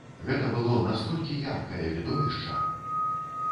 Гэта было настолькі яркае відовішча!